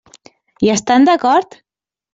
Hi estan d'acord?